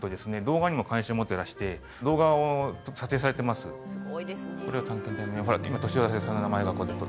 動画にも関心を持ってらして動画を撮影されてます